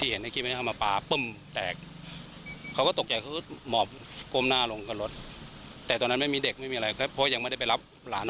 เห็นไปเขาวิ่งมาเป็นปกติอะไรอย่างเนี้ย